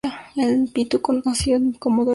El "pitu" nació en Comodoro Rivadavia.